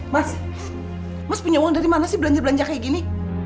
mas mas punya uang dari mana sih belanja belanja kayak gini